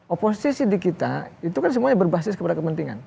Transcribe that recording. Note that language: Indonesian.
oposisi di kita itu kan semuanya berbasis kepada kepentingan